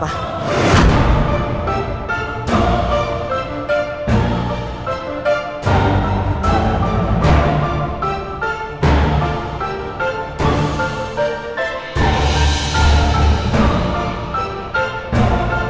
bapak tau ga tipe mobilnya apa